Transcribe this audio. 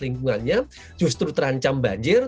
lingkungannya justru terancam banjir